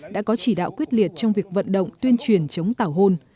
đã có chỉ đạo quyết liệt trong việc vận động tuyên truyền chống tảo hôn